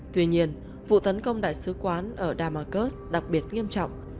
tuy nhiên vụ tấn công đại sứ quán ở damasurs đặc biệt nghiêm trọng